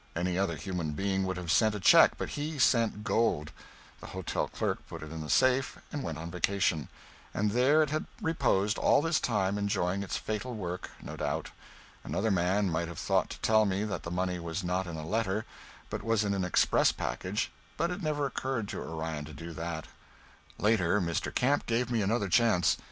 Any other human being would have sent a check, but he sent gold. The hotel clerk put it in the safe and went on vacation, and there it had reposed all this time enjoying its fatal work, no doubt. Another man might have thought to tell me that the money was not in a letter, but was in an express package, but it never occurred to Orion to do that. Later, Mr. Camp gave me another chance.